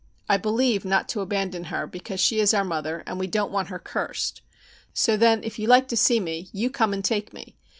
I believe not to abandon her, because she is our mother, and we don't want her cursed. So then, if you like to see me, you come and take me.